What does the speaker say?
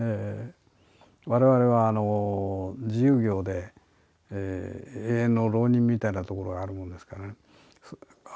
われわれは自由業で、永遠の浪人みたいなところがあるんですけどね。